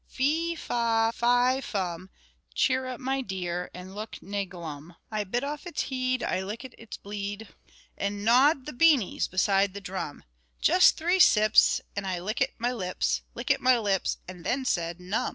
Fee, fa, fi, fum, Cheer up my dear, and look na glum:[6 (7)] I bit off its heed,[6 (8)] I lickit its bleed,[6 (9)] And gnawed the beanies[6 (10)] beside the drum: Just three sips, And I lickit my lips, Lickit my lips, and then said "Num!"